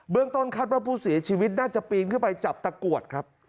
ต้นคาดว่าผู้เสียชีวิตน่าจะปีนขึ้นไปจับตะกรวดครับ